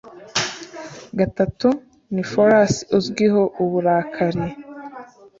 gatatu ni Pholus uzwiho uburakari